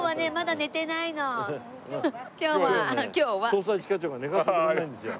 捜査一課長が寝かせてくれないんですよ。